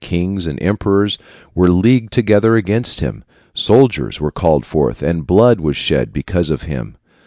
Kings and emperors were leagued together against him. Soldiers were called forth, and blood was shed because of him.